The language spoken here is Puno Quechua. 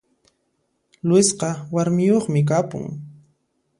Luisqa warmiyoqmi kapun